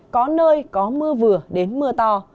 có nơi có mưa vừa đến mưa to